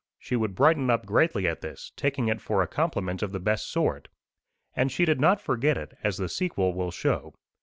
She would brighten up greatly at this, taking it for a compliment of the best sort. And she did not forget it, as the sequel will show.